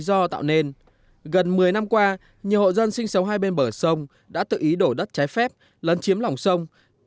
do tạo nên gần một mươi năm qua nhiều hộ dân sinh sống hai bên bờ sông đã tự ý đổ đất trái phép lấn chiếm lòng sông